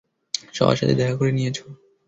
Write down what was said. সবার সাথে দেখা করে নিয়েছ।